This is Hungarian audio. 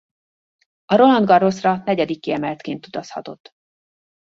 A Roland Garrosra negyedik kiemeltként utazhatott.